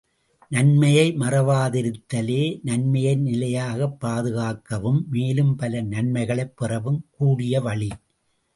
நன்மையை மறவாதிருத்தலே நன்மையை நிலையாகப் பாதுகாக்கவும் மேலும் பல நன்மைகளைப் பெறவும் கூடிய வழி.